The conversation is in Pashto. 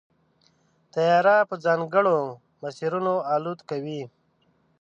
طیاره په ځانګړو مسیرونو الوت کوي.